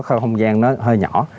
không gian nó hơi nhỏ